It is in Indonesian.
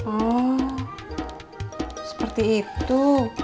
oh seperti itu